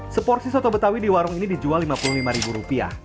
seporsi soto betawi di warung ini dijual rp lima puluh lima